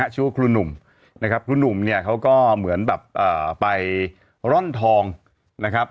ชื่อว่าครูหนุ่มนะครับครูหนุ่มเนี่ยเขาก็เหมือนแบบไปร่อนทองนะครับ